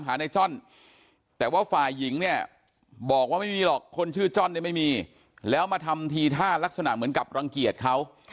ในจ้อนแต่ว่าฝ่ายหญิงเนี่ยบอกว่าไม่มีหรอกคนชื่อจ้อนเนี่ยไม่มีแล้วมาทำทีท่ารักษณะเหมือนกับรังเกียจเขา